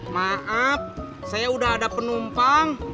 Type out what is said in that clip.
maaf saya udah ada penumpang